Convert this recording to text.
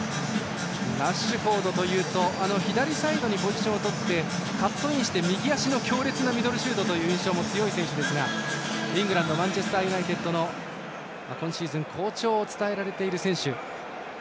ラッシュフォードというと左サイドにポジションをとってカットインして右足の強烈なミドルシュートの印象も強いですがイングランドのマンチェスターユナイテッドの今シーズン好調を伝えられている選手。